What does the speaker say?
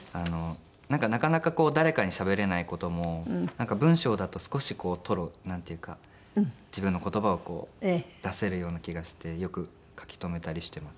なかなか誰かにしゃべれない事も文章だと少し吐露なんていうか自分の言葉をこう出せるような気がしてよく書き留めたりしています。